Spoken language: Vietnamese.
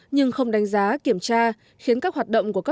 nhưng không đánh giá kiểm tra khiến các hoạt động đều bị phá hủy